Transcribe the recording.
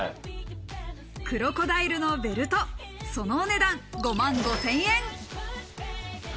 クロコダイルのベルト、そのお値段５万５０００円。